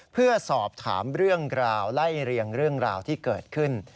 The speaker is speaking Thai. เพื่อสอบถามเรื่องราวไล่เรียงเรื่องราวที่เกิดขึ้น